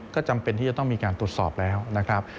ก็จำเป็นที่จะต้องมีการตรวจสอบแล้วนะครับ